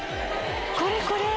これこれ。